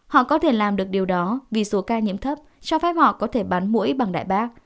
họ có thể làm được điều đó vì số ca nhiễm thấp cho phép họ có thể bán mũi bằng đại bác